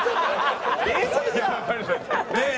ねえ！